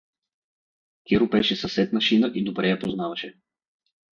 Киро беше съсед на Шина и добре я познаваше.